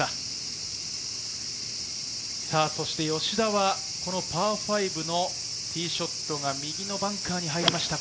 吉田はパー５のティーショットが右のバンカーに入りました。